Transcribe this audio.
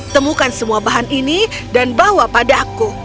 temukan semua bahan ini dan bawa padaku